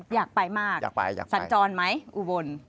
อยากไปมากสัญจรไหมอุบล